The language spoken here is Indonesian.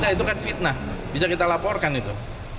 nah itu kan fitnah bisa kita laporkan itu